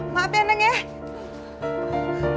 ma apa yang ada